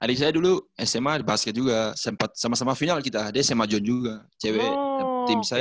adek saya dulu sma basket juga sempat sama sama final kita adek sma john juga cewek tim saya